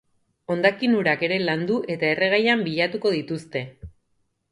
Hondakin-urak ere landu eta erregaian bilatuko dituzte.